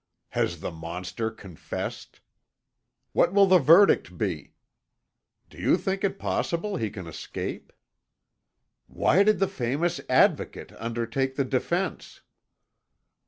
"Has the monster confessed?" "What will the verdict be?" "Do you think it possible he can escape?" "Why did the famous Advocate undertake the defence?"